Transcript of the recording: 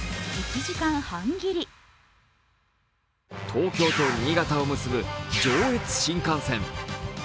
東京と新潟を結ぶ上越新幹線。